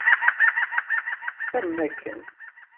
Am akken!